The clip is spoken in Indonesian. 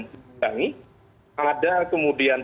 menangis ada kemudian